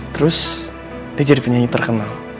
terus dia jadi penyanyi terkenal